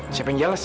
siapa yang jeles